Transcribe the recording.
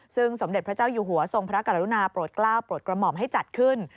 ซึ่งสมเด็จพระเจ้าอยู่หัวทรงพระกรุณาโปรดกล้าวโปรดกระหม่อมให้จัดขึ้น